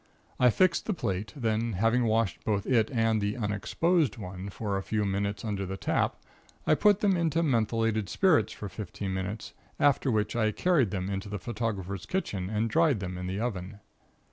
I fixed the plate, then having washed both it and the 'unexposed' one for a few minutes under the tap, I put them into methylated spirits for fifteen minutes, after which I carried them into the photographer's kitchen and dried them in the oven.